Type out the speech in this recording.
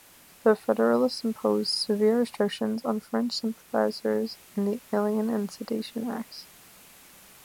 The Federalists imposed severe restrictions on French sympathizers in the Alien and Sedition Acts.